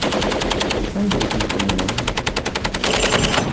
Anda ay tent-tellmem?